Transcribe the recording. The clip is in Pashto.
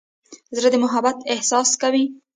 زړه د محبت احساس کوي.